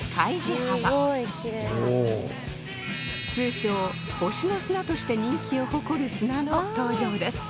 通称星の砂として人気を誇る砂の登場です